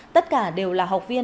tất cả đều là học viên